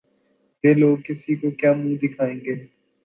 یہ لوگ کسی کو کیا منہ دکھائیں گے؟